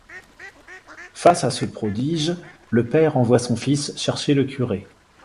Face à ce prodige, le père envoie son fils chercher le curé.